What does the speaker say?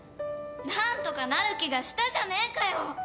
何とかなる気がしたじゃねえかよ。